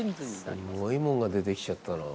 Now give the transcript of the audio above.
すごいものが出てきちゃったなあ。